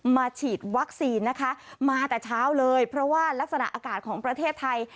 ฉีดวัคซีนนะคะมาแต่เช้าเลยเพราะว่ารักษณะอากาศของประเทศไทย